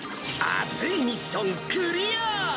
暑いミッションクリア！